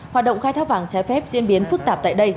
hoạt động khai thác vàng trái phép diễn biến phức tạp tại đây